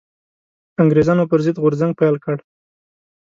انګرېزانو پر ضد غورځنګ پيل کړ